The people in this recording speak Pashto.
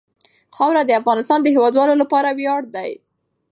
خاوره د افغانستان د هیوادوالو لپاره ویاړ دی.